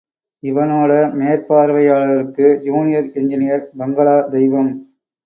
இவனோட மேற்பார்வையாளருக்கு junior engineer, பங்களா தெய்வம்.